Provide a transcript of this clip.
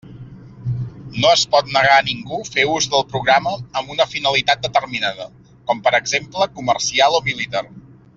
No es pot negar a ningú fer ús del programa amb una finalitat determinada, com per exemple comercial o militar.